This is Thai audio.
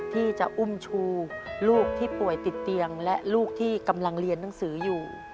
ที่จะอุ้มชูลูกที่ป่วยติดเตียงและลูกที่กำลังเรียนหนังสืออยู่